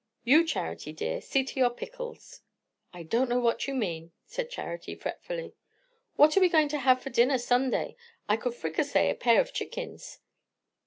You, Charity dear, see to your pickles." "I don't know what you mean," said Charity fretfully. "What are we going to have for dinner, Sunday? I could fricassee a pair of chickens."